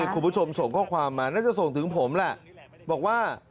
คุณผู้ชมส่งข้อความมาน่าจะส่งถึงผมแหละบอกว่า